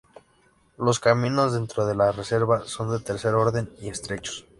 Los caminos dentro de la reserva son de tercer orden y estrechos.